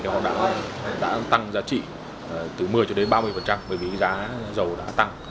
thì họ đã tăng giá trị từ một mươi cho đến ba mươi bởi vì giá dầu đã tăng